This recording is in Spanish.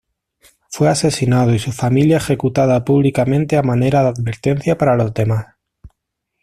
Fue asesinado y su familia ejecutada públicamente a manera de advertencia para los demás.